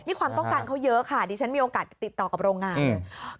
นี่ความต้องการเขาเยอะค่ะดิฉันมีโอกาสติดต่อกับโรงงานเนี่ย